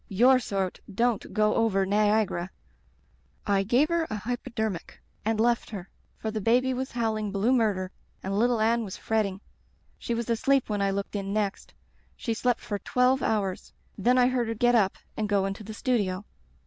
Tour sort don't go over Niagara.' "I gave her an hypodermic and left her, for the baby was howling blue naurder and little Anne was fretting. She was asleep when I looked in next. She slept for twelve hours. Then I heard her get up and go into the studio.